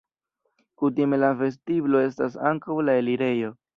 Kutime la vestiblo estas ankaŭ la elirejo.